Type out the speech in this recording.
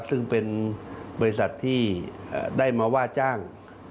ซึ่งเป็นบริษัทที่ได้มาว่าจ้าง